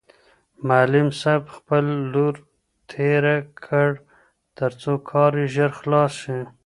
معلم صاحب خپل لور تېره کړ ترڅو کار یې ژر خلاص شي.